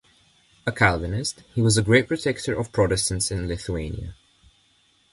A Calvinist, he was a great protector of Protestants in Lithuania.